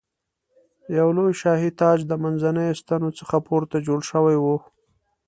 یو لوی شاهي تاج د منځنیو ستنو څخه پورته جوړ شوی و.